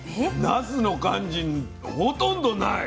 なすの感じほとんどない。